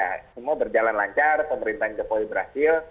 semua berjalan lancar pemerintahan jepol berhasil